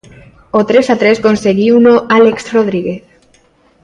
O tres a tres conseguiuno Álex Rodríguez.